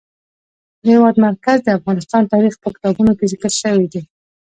د هېواد مرکز د افغان تاریخ په کتابونو کې ذکر شوی دي.